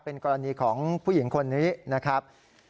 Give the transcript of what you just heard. เป็นกรณีของผู้หญิงคนนี้นะครับ